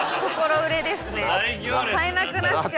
買えなくなっちゃう。